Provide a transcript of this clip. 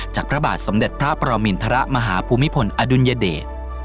พระบาทสมเด็จพระปรมินทรมาหาภูมิพลอดุลยเดช